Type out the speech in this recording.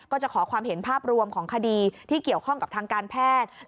ก็จะขอความเห็นภาพรวมของคดีที่เกี่ยวข้องกับทางการแพทย์